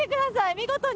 見事に。